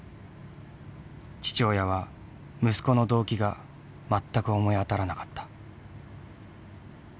父親は息子の動機が全く思い当たらなかった。